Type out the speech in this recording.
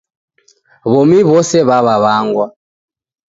Womi wose w'aw'awangwa .